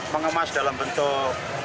mengemas dalam bentuk